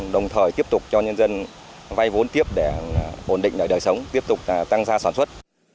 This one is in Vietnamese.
đồng thời tiếp tục cho nhân dân vay vốn tiếp để ổn định đời sống tiếp tục tăng ra sản xuất